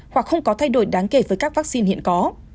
hoặc không có thay đổi đáng kể với các vaccine hiện có